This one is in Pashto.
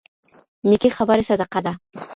نيکې خبرې صدقه ده.